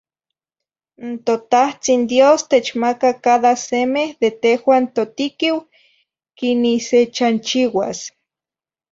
n totahtzih dios techmaca cada semeh de tehuah totiquih, quinih sechanchiuas.